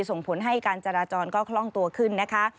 ส่งผลให้การจราจรก็คล่องตัวขึ้นนะคะ